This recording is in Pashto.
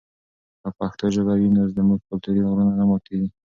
که پښتو ژبه وي نو زموږ کلتوري غرور نه ماتېږي.